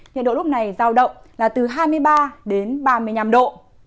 nhiệt độ lúc này giao động là từ hai mươi ba đến ba mươi năm độ